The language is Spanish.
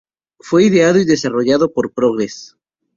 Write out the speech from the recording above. Fue ideado y desarrollado por Progress.